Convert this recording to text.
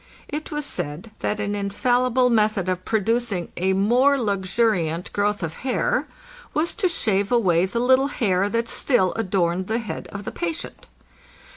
It was said that an infallible method of producing a more luxuriant growth of hair was to shave away the little hair that still adorned the head of the patient.